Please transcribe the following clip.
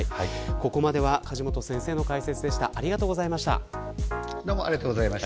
ここまでは梶本先生の解説でした。